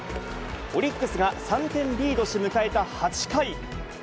オリックスが３点リードし、迎えた８回。